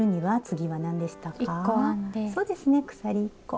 そうですね鎖１個。